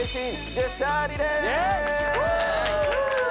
ジェスチャーリレー。